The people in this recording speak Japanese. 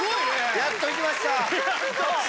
やっと行きました。